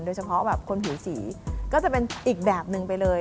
เฉพาะแบบคนผิวสีก็จะเป็นอีกแบบนึงไปเลย